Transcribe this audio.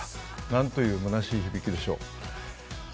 何という、むなしい響きでしょう。